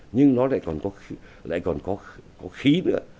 nhưng nó lại còn có khí nữa